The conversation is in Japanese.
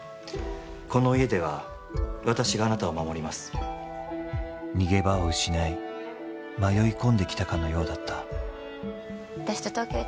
この家では私があなたを守ります逃げ場を失い迷い込んできたかのようだった私と東京行